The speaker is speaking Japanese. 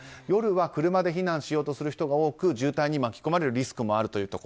夜は車で避難しようとする人が多く渋滞に巻き込まれるリスクもある。